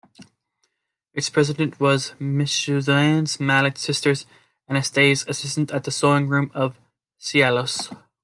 Its president was Ms. Suzanne Maillot, Sister Anasthasie's assistant at the "Sewing-room of Cilaos".